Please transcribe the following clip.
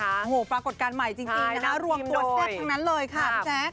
โอ้โหปรากฏการณ์ใหม่จริงนะคะรวมตัวแซ่บทั้งนั้นเลยค่ะพี่แจ๊ค